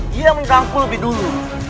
dia yang meniraku lebih dulu